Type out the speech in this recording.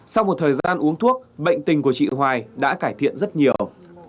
sau một thời gian uống thuốc bệnh tình của chị hoài đã cải thiện rất nhiều